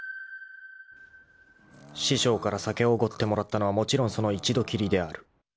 ［師匠から酒をおごってもらったのはもちろんその一度きりである］